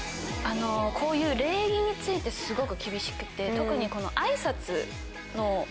こういう礼儀についてすごく厳しくて特に。